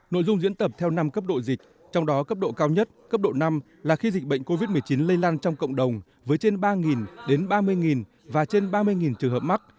nội dung diễn tập theo năm cấp độ dịch trong đó cấp độ cao nhất cấp độ năm là khi dịch bệnh covid một mươi chín lây lan trong cộng đồng với trên ba đến ba mươi và trên ba mươi trường hợp mắc